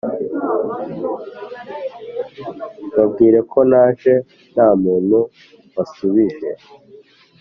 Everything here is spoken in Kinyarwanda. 'babwire ko naje, nta muntu wasubije,